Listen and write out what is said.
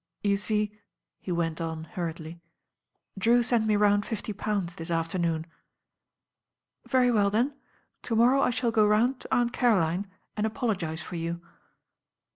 '•You see," he went on hurriedly, "Drew sent me round fifty pounds this afternoon." ••Very well, then, to morrow I shall go round to' Aunt Caroline and apologise for you."